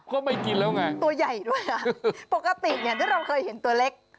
ก็ไม่กินแล้วไงตัวใหญ่ด้วยอ่ะปกติเนี่ยที่เราเคยเห็นตัวเล็ก